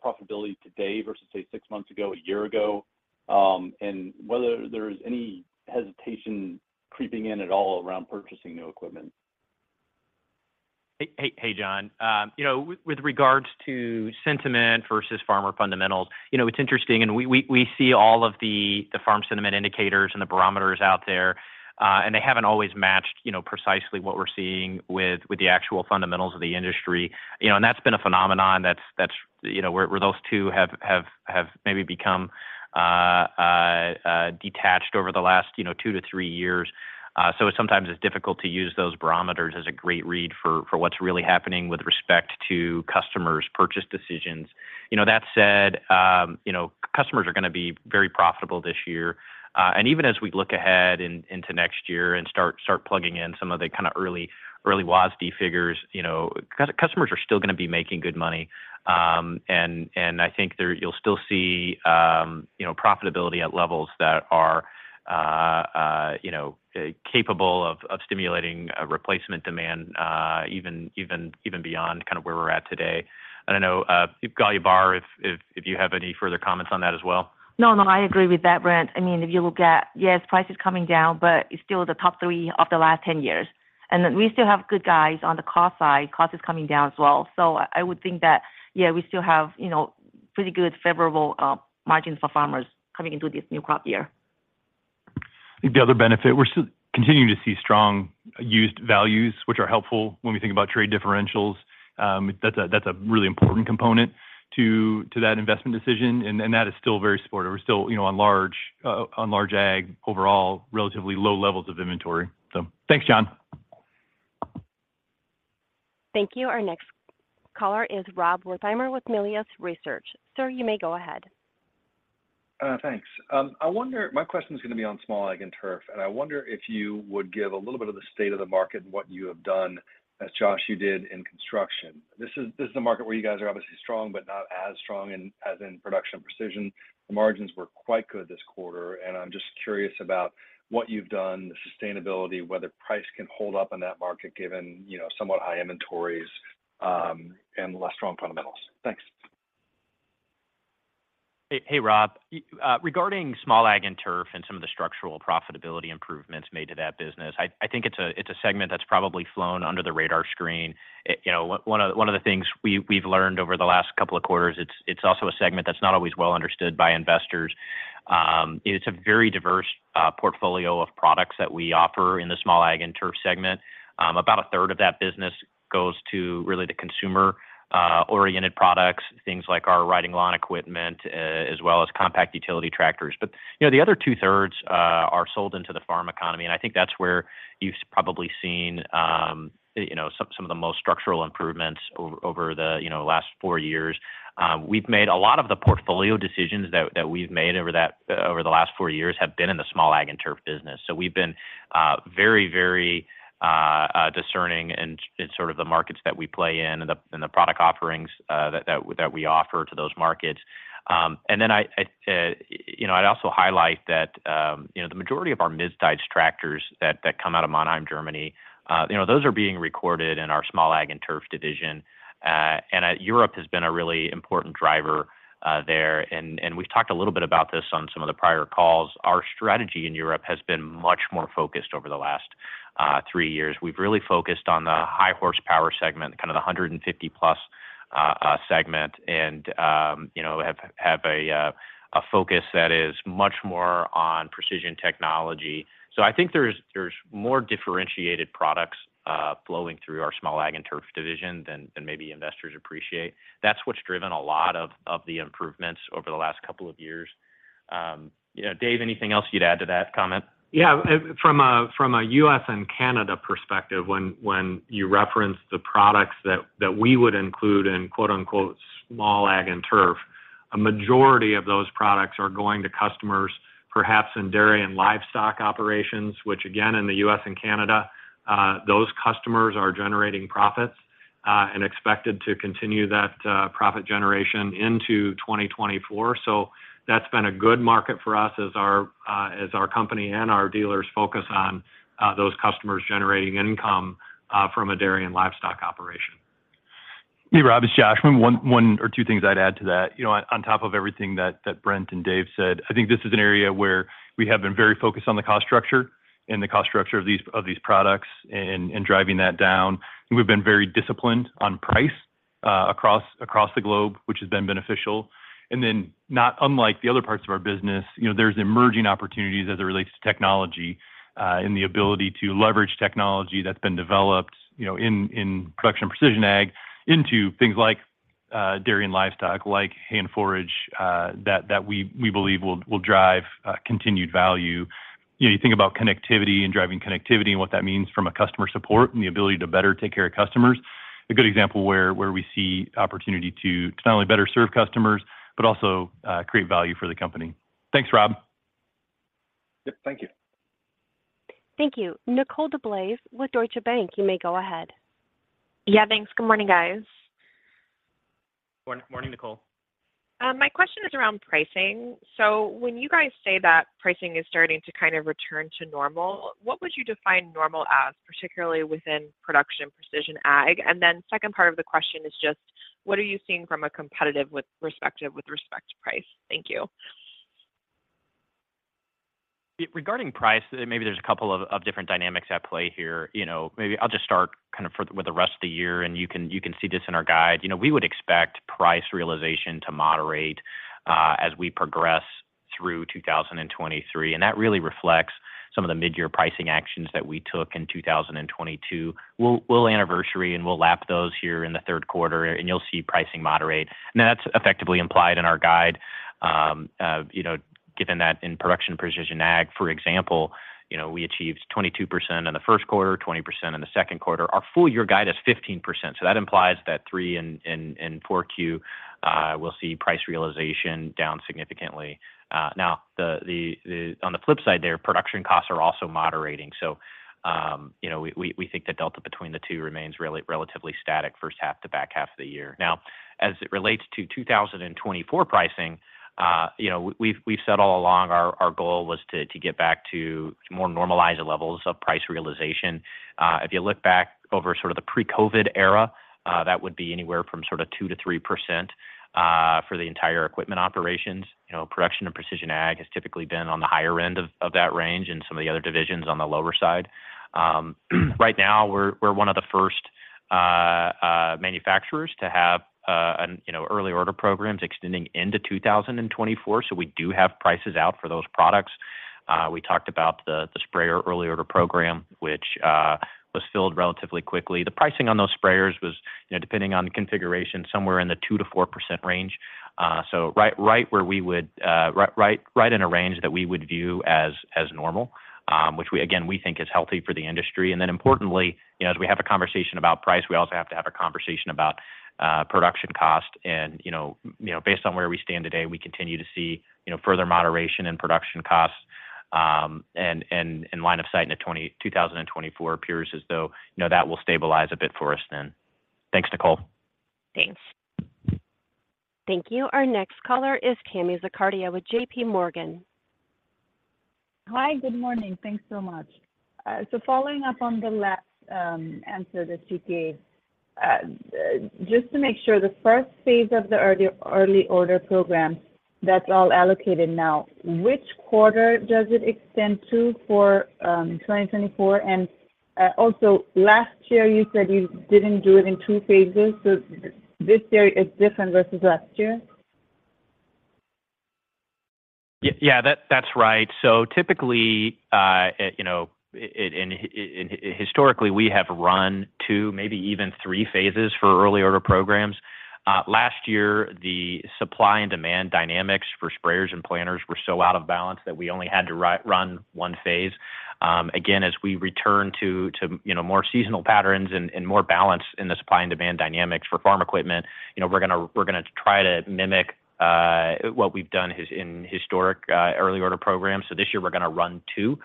profitability today versus, say, six months ago, a year ago, and whether there's any hesitation creeping in at all around purchasing new equipment? Hey, hey, John. You know, with regards to sentiment versus farmer fundamentals, you know, it's interesting. We see all of the farm sentiment indicators and the barometers out there, and they haven't always matched, you know, precisely what we're seeing with the actual fundamentals of the industry. That's been a phenomenon that's, you know, where those two have maybe become detached over the last, you know, two to three years. Sometimes it's difficult to use those barometers as a great read for what's really happening with respect to customers' purchase decisions. You know, that said, you know, customers are gonna be very profitable this year. Even as we look ahead into next year and start plugging in some of the kinda early WASDE figures, you know, customers are still gonna be making good money. I think there, you'll still see, you know, profitability at levels that are, you know, capable of stimulating replacement demand even beyond kind of where we're at today. I know Kanlaya Barr, if you have any further comments on that as well. No, no, I agree with that, Brent. I mean, if you look at, yes, price is coming down, but it's still the top 3 of the last 10 years. We still have good guides on the cost side. Cost is coming down as well. I would think that, yeah, we still have, you know, pretty good favorable margins for farmers coming into this new crop year. I think the other benefit, we're still continuing to see strong used values, which are helpful when we think about trade differentials. That's a really important component to that investment decision, and that is still very supportive. We're still, you know, on large ag overall, relatively low levels of inventory. Thanks, John. Thank you. Our next caller is Rob Wertheimer with Melius Research. Sir, you may go ahead. Thanks. My question is gonna be on Small Ag and Turf, and I wonder if you would give a little bit of the state of the market and what you have done as, Josh, you did in construction. This is a market where you guys are obviously strong but not as strong in, as in Production Precision. The margins were quite good this quarter. I'm just curious about what you've done, the sustainability, whether price can hold up in that market given, you know, somewhat high inventories and less strong fundamentals. Thanks. Hey, hey, Rob. Regarding Small Ag and Turf and some of the structural profitability improvements made to that business, I think it's a segment that's probably flown under the radar screen. You know, one of the things we've learned over the last couple of quarters, it's also a segment that's not always well understood by investors. It's a very diverse portfolio of products that we offer in the Small Ag and Turf segment. About a third of that business goes to really the consumer oriented products, things like our riding lawn equipment, as well as compact utility tractors. You know, the other two-thirds are sold into the farm economy, and I think that's where you've probably seen, you know, the most structural improvements over the, you know, last four years. We've made a lot of the portfolio decisions that we've made over that, over the last four years have been in the Small Ag and Turf business. We've been very discerning in sort of the markets that we play in and the product offerings that we offer to those markets. I, you know, I'd also highlight that, you know, the majority of our mid-sized tractors that come out of Mannheim, Germany, you know, those are being recorded in our Small Ag and Turf division. Europe has been a really important driver, there. We've talked a little bit about this on some of the prior calls. Our strategy in Europe has been much more focused over the last 3 years. We've really focused on the high horsepower segment, kind of the 150 plus A segment and, you know, have a focus that is much more on precision technology. I think there's more differentiated products flowing through our Small Ag and Turf division than maybe investors appreciate. That's what's driven a lot of the improvements over the last couple of years. You know, Dave, anything else you'd add to that comment? From a U.S. and Canada perspective, when you reference the products that we would include in quote-unquote "Small Ag and Turf," a majority of those products are going to customers, perhaps in dairy and livestock operations. Which again, in the U.S. and Canada, those customers are generating profits and expected to continue that profit generation into 2024. That's been a good market for us as our company and our dealers focus on those customers generating income from a dairy and livestock operation. Hey, Rob, it's Josh. 1 or 2 things I'd add to that. You know, on top of everything that Brent and Dave said, I think this is an area where we have been very focused on the cost structure and the cost structure of these products and driving that down. We've been very disciplined on price across the globe, which has been beneficial. Not unlike the other parts of our business, you know, there's emerging opportunities as it relates to technology and the ability to leverage technology that's been developed, you know, in Production and Precision Ag into things like dairy and livestock, like hay and forage that we believe will drive continued value. You know, you think about connectivity and driving connectivity and what that means from a customer support and the ability to better take care of customers. A good example where we see opportunity to not only better serve customers, but also, create value for the company. Thanks, Rob. Yep, thank you. Thank you. Nicole DeBlase with Deutsche Bank, you may go ahead. Yeah, thanks. Good morning, guys. Good morning, Nicole. My question is around pricing. When you guys say that pricing is starting to kind of return to normal, what would you define normal as, particularly within Production Precision Ag? Second part of the question is just what are you seeing from a competitive with respect to price? Thank you. Regarding price, maybe there's a couple of different dynamics at play here. You know, maybe I'll just start with the rest of the year, and you can, you can see this in our guide. You know, we would expect price realization to moderate as we progress through 2023, and that really reflects some of the midyear pricing actions that we took in 2022. We'll anniversary and we'll lap those here in the 3rd quarter, and you'll see pricing moderate. That's effectively implied in our guide, you know, given that in Production and Precision Ag, for example, you know, we achieved 22% in the 1st quarter, 20% in the 2nd quarter. Our full year guide is 15%, so that implies that 3 and 4Q will see price realization down significantly. On the flip side there, production costs are also moderating. you know, we think the delta between the two remains relatively static first half to back half of the year. As it relates to 2024 pricing, you know, we've said all along our goal was to get back to more normalized levels of price realization. If you look back over sort of the pre-COVID era, that would be anywhere from sort of 2%-3% for the entire equipment operations. You know, Production and Precision Ag has typically been on the higher end of that range and some of the other divisions on the lower side. Right now we're one of the first manufacturers to have, you know, early order programs extending into 2024, so we do have prices out for those products. We talked about the sprayer early order program, which was filled relatively quickly. The pricing on those sprayers was, you know, depending on the configuration, somewhere in the 2%-4% range. Right where we would, right in a range that we would view as normal, which we again, we think is healthy for the industry. Importantly, you know, as we have a conversation about price, we also have to have a conversation about production cost. you know, based on where we stand today, we continue to see, you know, further moderation in production costs, and line of sight into 2024 appears as though, you know, that will stabilize a bit for us then. Thanks, Nicole. Thanks. Thank you. Our next caller is Tami Zakaria with J.P. Morgan. Hi. Good morning. Thanks so much. Following up on the last answer that you gave. Just to make sure, the first phase of the Early Order Program, that's all allocated now. Which quarter does it extend to for 2024? Also last year you said you didn't do it in two phases, this year is different versus last year? Yeah. That's right. Typically, you know, and historically, we have run 2, maybe even 3 phases for early order programs. Last year, the supply and demand dynamics for sprayers and planters were so out of balance that we only had to run 1 phase. Again, as we return to, you know, more seasonal patterns and more balance in the supply and demand dynamics for farm equipment, you know, we're gonna try to mimic what we've done in historic early order programs. This year we're gonna run 2.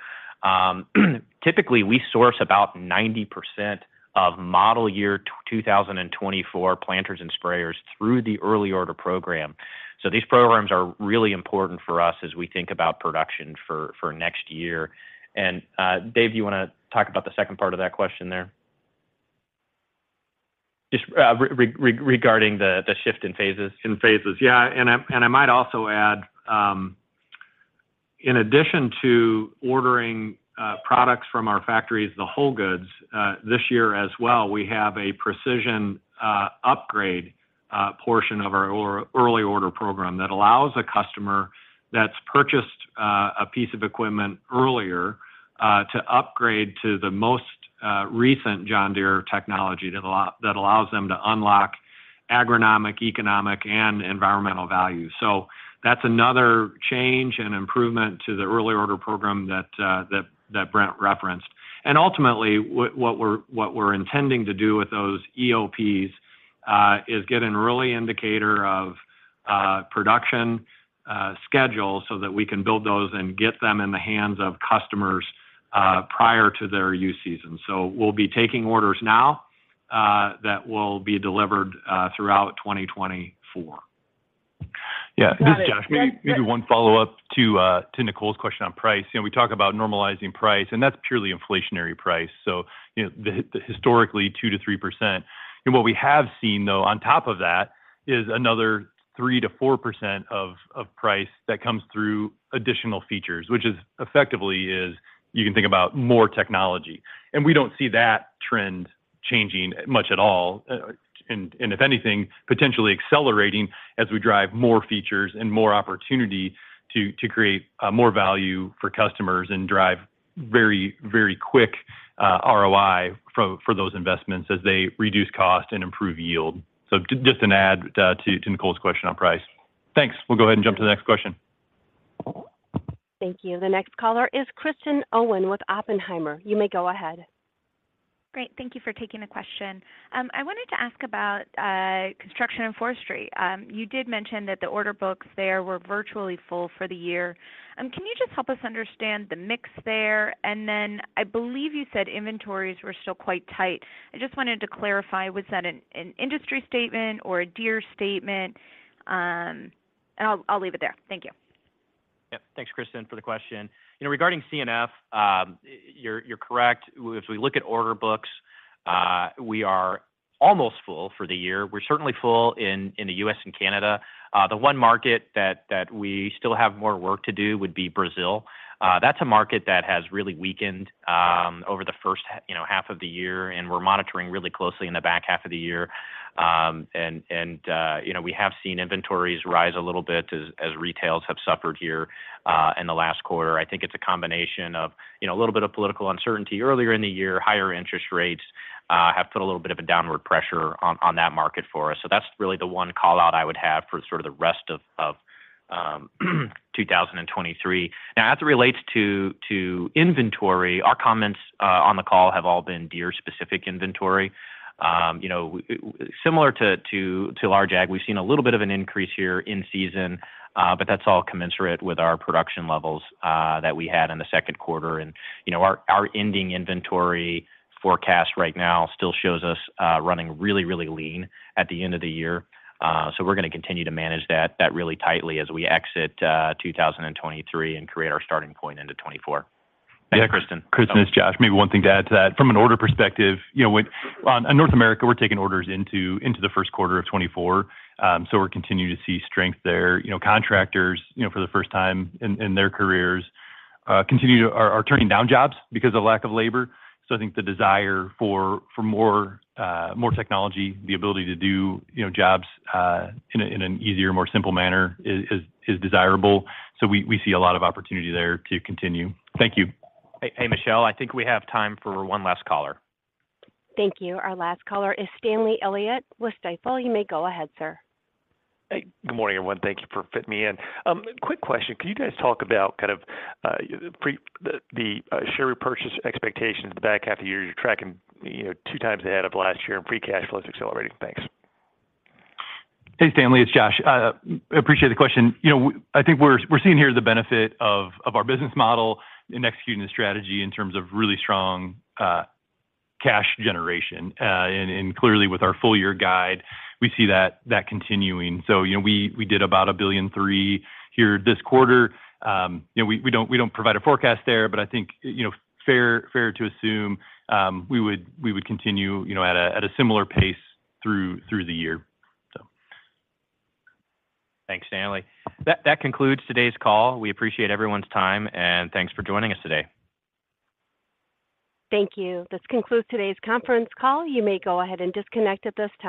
Typically, we source about 90% of model year 2024 planters and sprayers through the early order program. These programs are really important for us as we think about production for next year. Dave, do you wanna talk about the second part of that question there? Just regarding the shift in phases. In phases. Yeah. I might also add. In addition to ordering products from our factories, the whole goods this year as well, we have a precision upgrade portion of our early order program that allows a customer that's purchased a piece of equipment earlier to upgrade to the most recent John Deere technology that allows them to unlock agronomic, economic, and environmental value. That's another change and improvement to the early order program that Brent referenced. Ultimately, what we're intending to do with those EOPs is get an early indicator of production schedule so that we can build those and get them in the hands of customers prior to their use season. We'll be taking orders now that will be delivered throughout 2024. Yeah. Got it. Josh, maybe one follow-up to Nicole's question on price. You know, we talk about normalizing price, that's purely inflationary price, so, you know, the historically 2%-3%. What we have seen, though, on top of that is another 3%-4% of price that comes through additional features, which is effectively is you can think about more technology. We don't see that trend changing much at all, and if anything, potentially accelerating as we drive more features and more opportunity to create more value for customers and drive very, very quick ROI for those investments as they reduce cost and improve yield. Just an add to Nicole's question on price. Thanks. We'll go ahead and jump to the next question. Thank you. The next caller is Kristen Owen with Oppenheimer. You may go ahead. Great. Thank you for taking the question. I wanted to ask about Construction and Forestry. You did mention that the order books there were virtually full for the year. Can you just help us understand the mix there? I believe you said inventories were still quite tight. I just wanted to clarify, was that an industry statement or a Deere statement? I'll leave it there. Thank you. Yep. Thanks, Kristen, for the question. You know, regarding C&F, you're correct. If we look at order books, we are almost full for the year. We're certainly full in the U.S. and Canada. The one market that we still have more work to do would be Brazil. That's a market that has really weakened over the first, you know, half of the year, and we're monitoring really closely in the back half of the year. You know, we have seen inventories rise a little bit as retails have suffered here in the last quarter. I think it's a combination of, you know, a little bit of political uncertainty earlier in the year. Higher interest rates have put a little bit of a downward pressure on that market for us. That's really the one call-out I would have for sort of the rest of 2023. As it relates to inventory, our comments on the call have all been Deere-specific inventory. You know, similar to large ag, we've seen a little bit of an increase here in season, but that's all commensurate with our production levels that we had in the second quarter. You know, our ending inventory forecast right now still shows us running really, really lean at the end of the year. We're gonna continue to manage that really tightly as we exit 2023 and create our starting point into 2024. Yeah. Thanks, Kristen. Kristen, it's Josh. Maybe one thing to add to that. From an order perspective, you know, when on North America, we're taking orders into the first quarter of 2024. We're continuing to see strength there. You know, contractors, you know, for the first time in their careers, are turning down jobs because of lack of labor. I think the desire for more technology, the ability to do, you know, jobs, in an easier, more simple manner is desirable. We see a lot of opportunity there to continue. Thank you. Hey, hey, Michelle, I think we have time for one last caller. Thank you. Our last caller is Stanley Elliott with Stifel. You may go ahead, sir. Hey, good morning, everyone. Thank you for fitting me in. Quick question. Can you guys talk about kind of pre the share repurchase expectations the back half of the year? You're tracking, you know, two times ahead of last year and free cash flow is accelerating. Thanks. Hey, Stanley, it's Josh. appreciate the question. You know, I think we're seeing here the benefit of our business model in executing the strategy in terms of really strong cash generation. Clearly with our full year guide, we see that continuing. You know, we did about $1.3 billion here this quarter. You know, we don't provide a forecast there, but I think, you know, fair to assume, we would continue, you know, at a similar pace through the year, so. Thanks, Stanley. That concludes today's call. We appreciate everyone's time. Thanks for joining us today. Thank you. This concludes today's conference call. You may go ahead and disconnect at this time.